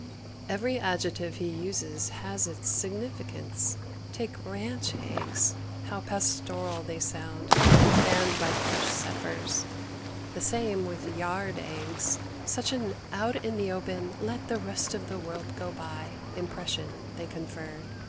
Every adjective he uses has its significance. Take "ranch" eggs, how pastoral they sound and fanned by fresh zephyrs. The same with "yard" eggs, such an "out in the open let the rest of the world go by" impression they confer.